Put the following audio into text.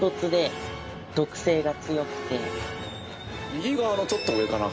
右側のちょっと上かな。